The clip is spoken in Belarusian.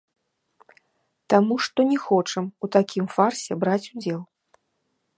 Таму што не хочам у такім фарсе браць удзел.